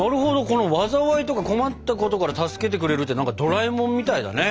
この災いとか困ったことから助けてくれるってドラえもんみたいだね。